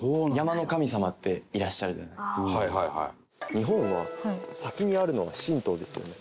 日本は先にあるのが神道ですよね。